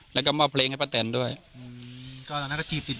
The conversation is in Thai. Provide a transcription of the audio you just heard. หลังจากนั้นพยายามช่วยทางพี่ทิศ